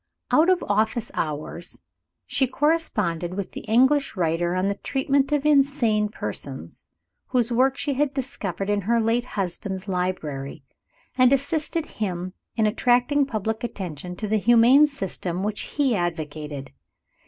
Out of office hours, she corresponded with the English writer on the treatment of insane persons, whose work she had discovered in her late husband's library, and assisted him in attracting public attention to the humane system which he advocated.